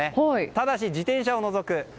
ただし、自転車を除く。